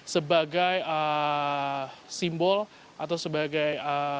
sebagai simbol atau sebagai